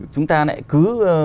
chúng ta lại cứ